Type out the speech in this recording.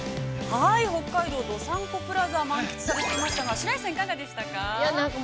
◆はい、北海道どさんこプラザ、満喫されていましたが、白石さん、いかがでしたか。